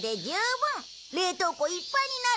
冷凍庫いっぱいになるよ。